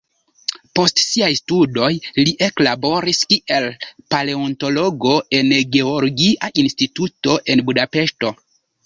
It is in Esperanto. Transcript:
Post siaj studoj li eklaboris kiel paleontologo en geologia instituto en Budapeŝto.